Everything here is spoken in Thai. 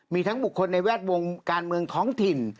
มีทั้งบุคคลในแวดวงการเมืองท้องถิ่น